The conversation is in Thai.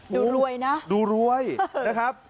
ดูรวยนะดูรวยนะครับ